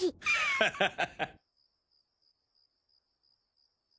ハハハハッ